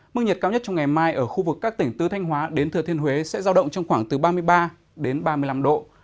mức nhiệt cao nhất trong ngày mai ở khu vực các tỉnh tư thanh hóa đến thừa thiên huế sẽ giao động trong khoảng từ ba mươi ba đến ba mươi năm độ